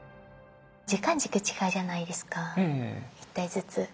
時間軸違うじゃないですか一体ずつ。